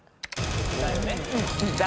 だよね。